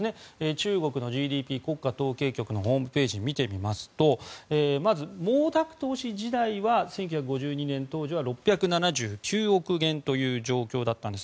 中国のＧＤＰは国家統計局のホームページを見てみますとまず、毛沢東氏時代は１９５２年当時は６７９億元という状況だったんです。